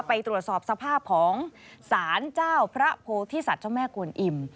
ไปตรวจสอบสภาพของสารเจ้าพระโพธิสัตว์เจ้าแม่กวนอิ่ม